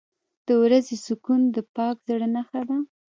• د ورځې سکون د پاک زړه نښه ده.